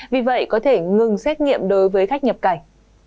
vì vậy có thể ngừng xét nghiệm đối với khách nhập cảnh